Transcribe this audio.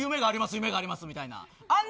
夢がありますみたいな。